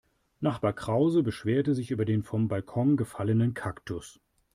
Nachbar Krause beschwerte sich über den vom Balkon gefallenen Kaktus.